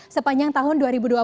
sepanjang tahun dua ribu dua puluh